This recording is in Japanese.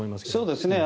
そうですね。